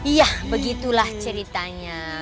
iya begitulah ceritanya